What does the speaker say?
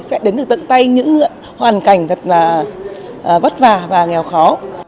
sẽ đến được tận tay những ngưỡng hoàn cảnh thật là vất vả và nghèo khó